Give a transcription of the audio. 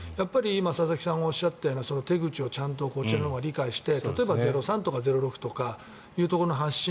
今、佐々木さんがおっしゃったようなちゃんとこちらも理解して例えば「０３」とか「０６」というところの発信